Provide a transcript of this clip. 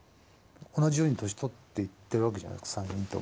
同じように年取っていってるわけじゃないですか３人とも。